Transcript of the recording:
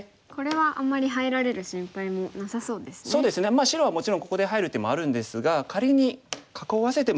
まあ白はもちろんここで入る手もあるんですが仮に囲わせても。